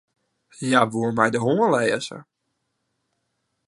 Hja woe my de hân lêze.